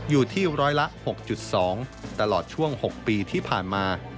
อยู่ที่ร้อยละ๖๒ตลอดช่วง๖ปีที่ผ่านมา